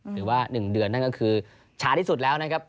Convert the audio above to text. หรือว่า๑เดือนนั่นก็คือช้าที่สุดแล้วนะครับ